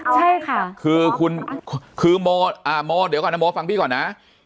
ใช่ค่ะคือคุณคือโมอ่าโมเดี๋ยวก่อนนะโมฟังพี่ก่อนนะ